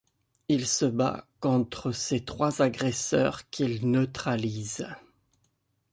Il se bat contre ses trois agresseurs qu'il neutralise.